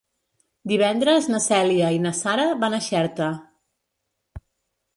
Divendres na Cèlia i na Sara van a Xerta.